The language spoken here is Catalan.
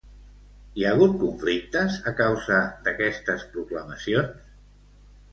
Hi ha hagut conflictes a causa d'aquestes proclamacions?